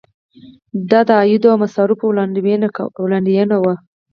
دا د عوایدو او مصارفو وړاندوینه وه.